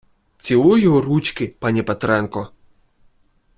Цілую ручки, пані Петренко.